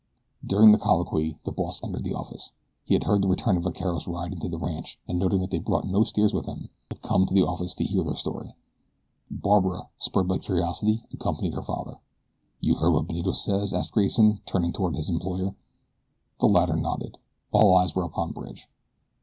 During the colloquy the boss entered the office. He had heard the returning vaqueros ride into the ranch and noting that they brought no steers with them had come to the office to hear their story. Barbara, spurred by curiosity, accompanied her father. "You heard what Benito says?" asked Grayson, turning toward his employer. The latter nodded. All eyes were upon Bridge.